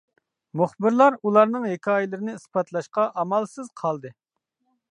مۇخبىرلار ئۇلارنىڭ ھېكايىلىرىنى ئىسپاتلاشقا ئامالسىز قالدى.